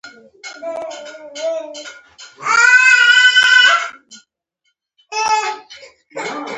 نن مې د ښۍ پښې پونده وسستې ده